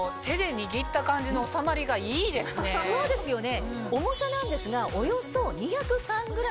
そうですよね。え？